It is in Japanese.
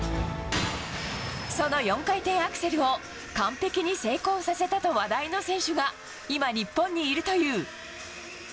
その４回転アクセルを完璧に成功させたと話題の選手が、今、日本にいるという。